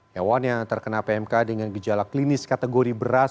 hewan yang terkena pmk dengan gejala klinis kategori beras